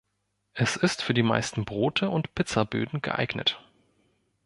Es ist für die meisten Brote und Pizzaböden geeignet.